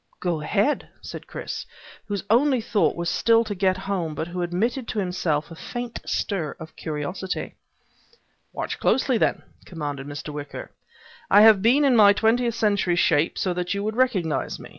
"Go ahead," said Chris, whose only thought was still to get home but who admitted to himself a faint stir of curiosity. "Watch closely then," commanded Mr. Wicker. "I have been in my twentieth century shape so that you would recognize me.